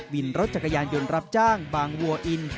วินรถจักรยานยนต์รับจ้างบางวัวอิน